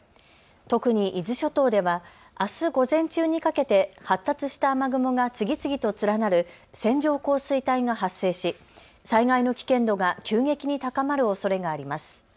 特に伊豆諸島ではあす午前中にかけて発達した雨雲が次々と連なる線状降水帯が発生し災害の危険度が急激に高まるおそれがあります。